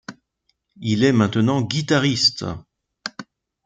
Il est maintenant guitariste.